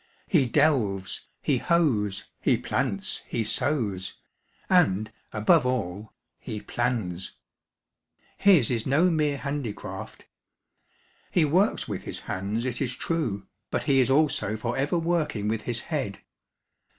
He delves, he hoes, he plants, he sows, and, above all, he plans. His is no mere handicraft. He works with his hands, it is true, but he is also for ever working with his head.